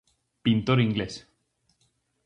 Pintor inglés.